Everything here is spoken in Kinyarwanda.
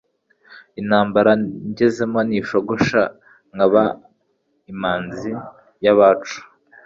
Intambara ngezemo ntishogosha Nkaba imanzi y' abacu.